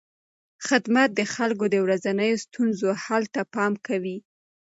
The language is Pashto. خدمت د خلکو د ورځنیو ستونزو حل ته پام کوي.